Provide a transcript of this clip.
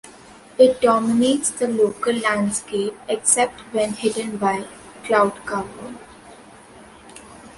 It dominates the local landscape except when hidden by cloud cover.